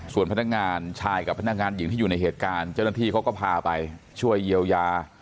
ส่วนพนักงานชายกับพนักงานหญิงที่อยู่ในเหตุการณ์เจ้าหน้าที่เขาก็พาไปช่วยเยียวยา